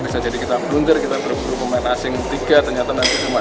bisa jadi kita blunder kita berburu pemain asing tiga ternyata nanti cuma